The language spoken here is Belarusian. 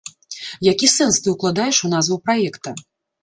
Які сэнс ты ўкладаеш у назву праекта?